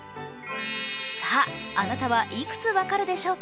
さあ、あなたはいくつ分かるでしょうか。